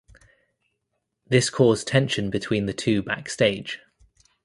This caused tension between the two backstage.